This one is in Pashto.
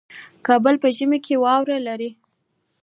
کابل په ژمي کې واوره لري